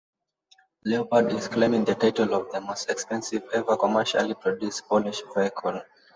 Leopard is claiming the title of the most expensive ever commercially produced Polish vehicle.